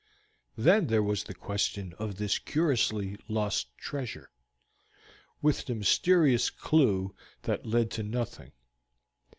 Then there was the question of this curiously lost treasure, with the mysterious clew that led to nothing.